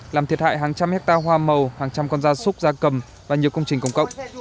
làm thiệt hại hàng trăm hectare hoa màu hàng trăm con da súc da cầm và nhiều công trình công cộng